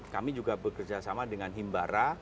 kami juga bekerjasama dengan himbara